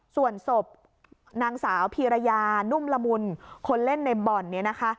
ส่วนศพนางสาวพีรยานุ่มละมุนคนเล่นในบ่อนเนี่ยนะคะ